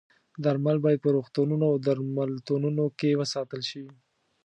درمل باید په روغتونونو او درملتونونو کې وساتل شي.